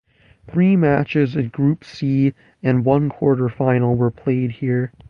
Three matches in Group C and one quarter-final were played here.